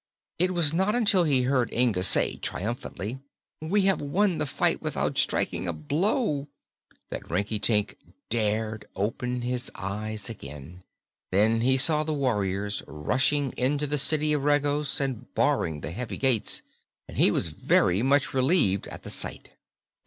It was not until he heard Inga say triumphantly, "We have won the fight without striking a blow!" that Rinkitink dared open his eyes again. Then he saw the warriors rushing into the City of Regos and barring the heavy gates, and he was very much relieved at the sight.